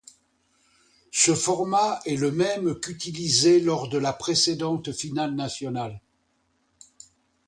Ce format est le même qu'utilisé lors de la précédente finale nationale.